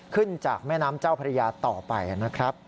ขึ้นจากแม่น้ำเจ้าพระยาต่อไปนะครับ